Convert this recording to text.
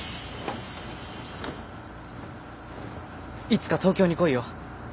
いつか東京に来いよ。